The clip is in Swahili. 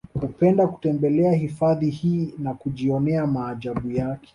Hupenda kutembelea hifadhi hii na kujionea maajabu yake